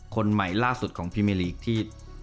คนใหม่ล่าสุดของพี่เมลีกที่